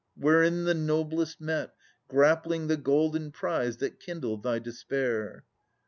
Wherein the noblest met, Grappling the golden prize that kindled thy despair!